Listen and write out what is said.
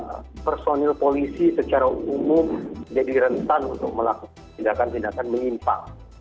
ada dua penjelasan mengapa personel polisi secara umum jadi rentan untuk melakukan tindakan tindakan menyimpang